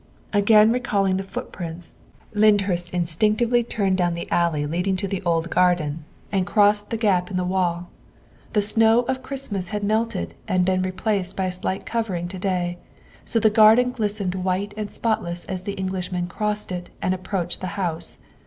Again recalling the footprints, Lyndhurst instinc tively turned down the alley leading to the old garden 246 THE WIFE OF and crossed the gap in the wall. The snow of Christmas had melted and been replaced by a slight covering to day, so the garden glistened white and spotless as the Englishman crossed it and approached the house.